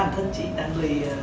bản thân chị là người